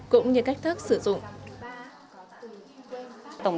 cũng như cách thức sử dụng